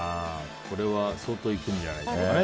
これは相当いくんじゃないですかね。